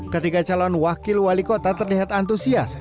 ketiga calon wakil wali kota terlihat antusias